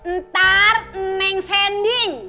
ntar neng sending